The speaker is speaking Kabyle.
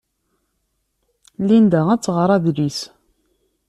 Linda ad tɣer adlis.